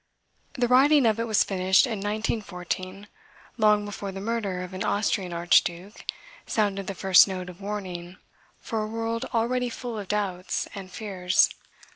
The writing of it was finished in 1914 long before the murder of an Austrian Archduke sounded the first note of warning for a world already full of doubts and fears.